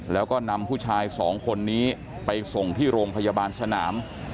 แล้วก็นำผู้ชายสองคนนี้ไปส่งที่โรงพยาบาลสนาม